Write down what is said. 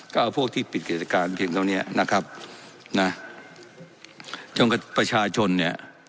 ก็เอาพวกที่ปิดกิจการเพียงตรงเนี้ยนะครับนะจงกับประชาชนเนี้ย